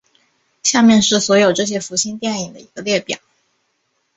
下面是所有这些福星电影的一个列表。